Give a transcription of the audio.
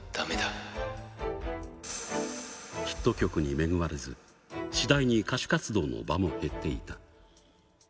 ヒット曲に恵まれず、次第に歌手活動の場も減っていた。